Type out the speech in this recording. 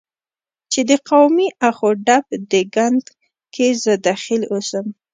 چې د قومي اخ و ډب دې ګند کې زه دخیل اوسم،